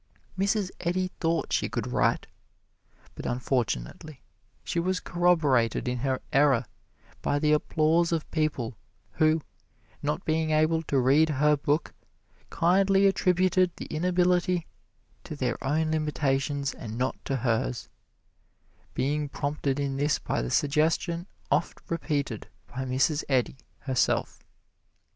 Mrs. Eddy thought she could write, and unfortunately she was corroborated in her error by the applause of people who, not being able to read her book, kindly attributed the inability to their own limitations and not to hers, being prompted in this by the suggestion oft repeated by Mrs. Eddy, herself.